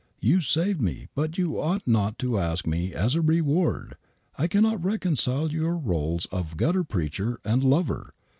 You saved me, but you ought not to ask me as a reward. I cannot reconcile your roles of gutter preacher and lover.